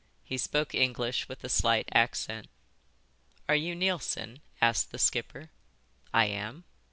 He spoke English with a slight accent. "Are you Neilson?" asked the skipper. "I am."